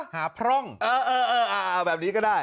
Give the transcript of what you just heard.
พร่องแบบนี้ก็ได้